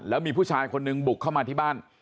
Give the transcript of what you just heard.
แล้วมีผู้ชายคนหนึ่งบุกเข้ามาที่บ้าน